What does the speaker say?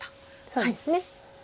そうですね。